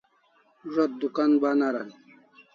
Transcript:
Zo't dukan ban aran